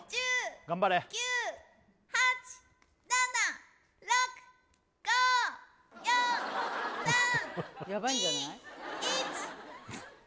頑張れやばいんじゃない？